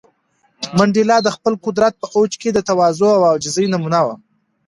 منډېلا د خپل قدرت په اوج کې د تواضع او عاجزۍ نمونه و.